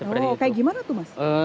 orangnya kayak gimana tuh mas